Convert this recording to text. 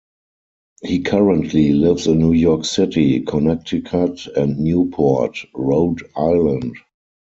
He currently lives in New York City, Connecticut and Newport, Rhode Island.